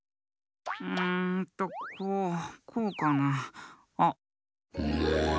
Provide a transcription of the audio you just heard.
うんとこうこうかな？あっ。